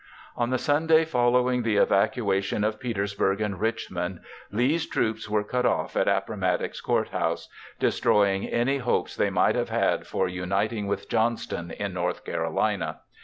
_] On the Sunday following the evacuation of Petersburg and Richmond, Lee's troops were cut off at Appomattox Court House, destroying any hopes they might have had for uniting with Johnston in North Carolina.